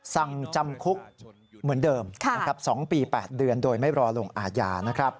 สั่งจำคุกเหมือนเดิม๒ปี๘เดือนโดยไม่รอลงอาญานะครับ